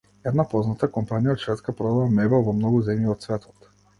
Една позната компанија од Шведска продава мебел во многу земји од светот.